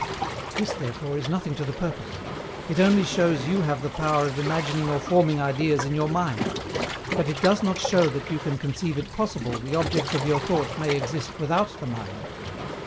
This therefore is nothing to the purpose; it only shows you have the power of imagining or forming ideas in your mind: but it does not show that you can conceive it possible the objects of your thought may exist without the mind.